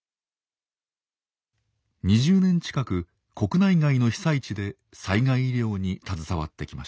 ２０年近く国内外の被災地で災害医療に携わってきました。